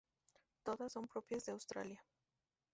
Todas son propias de Australia.